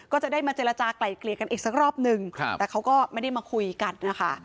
ก็จะได้มาเจรจากลายเกลี่ยกันอีกสักรอบนึงแต่เขาก็ไม่ได้มาคุยกันนะคะ